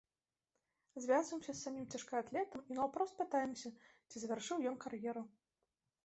Звязваемся з самім цяжкаатлетам і наўпрост пытаемся, ці завяршыў ён кар'еру.